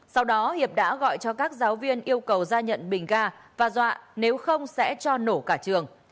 sau đó hiệp đã gọi cho các giáo viên yêu cầu ra nhận bình ga và dọa nếu không sẽ cho nổ cả trường